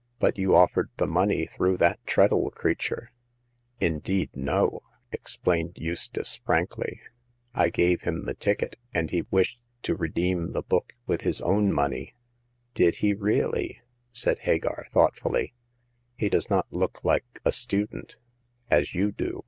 " But you offered the money through that Treadle creature." Indeed no !" explained Eustace, frankly. " I gave him the ticket, and he wished to redeem the book with his own money." Did he really?" said Hagar, thoughtfully. He does not look like a student — as you do.